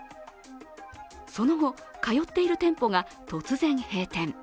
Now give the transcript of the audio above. その後、通っている店舗が突然閉店。